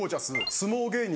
相撲芸人